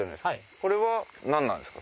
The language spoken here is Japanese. これは何なんですか？